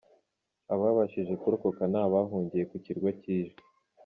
Ababashije kurokoka ni abahungiye ku kirwa cy’Ijwi.